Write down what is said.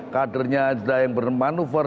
kadernya ada yang bermanuver